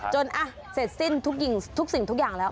เสร็จสิ้นทุกสิ่งทุกอย่างแล้ว